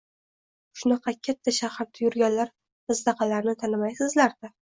Shunaqa, katta shaharda yurganlar bizdaqalarni tanimaysizlar-da